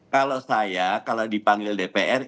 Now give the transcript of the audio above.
kalau saya kalau dipanggil dpr